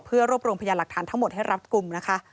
เพื่อรวบรวมพยานหลักฐานทั้งหมดให้รับกลุ่มนะคะ